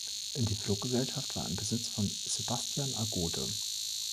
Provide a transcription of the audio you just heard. Die Fluggesellschaft war im Besitz von Sebastian Agote.